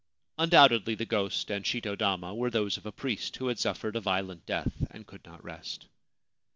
Undoubtedly the ghost and shito dama were those of a priest who had suffered a violent death and could not rest.